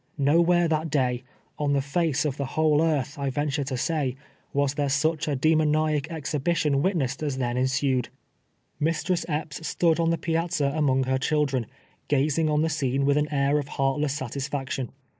Xowhere that day, on the face of the whole earth, I venture to say, was there such a demoniac exhibition witnessed as then ensueil. Mistress Epps stood on the piazza among her chil dren, ijazino; on the scene with an air of heartless sat isfaction.